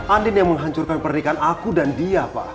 andin yang menghancurkan pernikahan aku dan dia pak